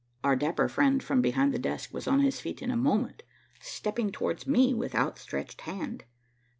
Our dapper friend from behind the desk was on his feet in a moment, stepping towards me with outstretched hand.